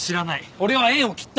俺は縁を切った。